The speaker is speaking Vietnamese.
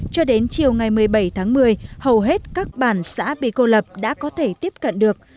cho đến chiều ngày một mươi bảy tháng một mươi hầu hết các bản xã bị cô lập đã có thể tiếp cận được